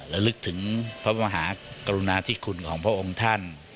และลึกถึงพระมหากรุณาธิคุณของพระองค์ท่าน